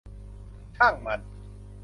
ช่างมัน